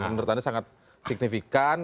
menurut anda sangat signifikan